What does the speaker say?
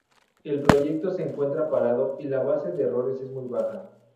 El proyecto se encuentra parado y la base de errores es muy baja.